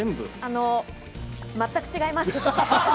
全く違います。